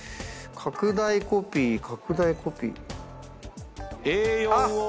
拡大コピー拡大コピー。